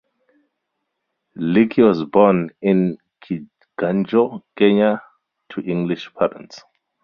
Leakey was born in Kiganjo, Kenya to English parents.